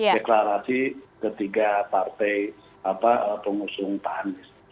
deklarasi ketiga partai pengusung pak anies